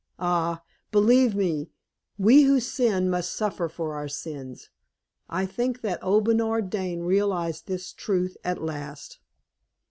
Ah! believe me, we who sin must suffer for our sins. I think that old Bernard Dane realized this truth at last.